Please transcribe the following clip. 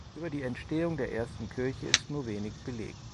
Über die Entstehung der ersten Kirche ist nur wenig belegt.